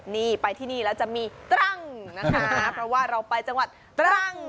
นี่ไปที่นี่แล้วจะมีตรังนะคะเพราะว่าเราไปจังหวัดตรัง